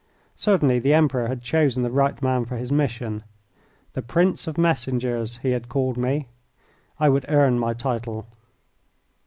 Certainly, the Emperor had chosen the right man for his mission. "The prince of messengers" he had called me. I would earn my title.